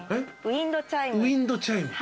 ウインドチャイム。